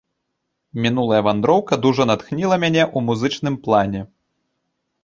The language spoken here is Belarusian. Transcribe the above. Мінулая вандроўка дужа натхніла мяне ў музычным плане.